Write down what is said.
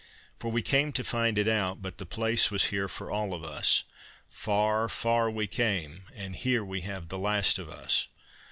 Far we came to find it out, but the place was here for all of us; Far, far we came, and here we have the last of us.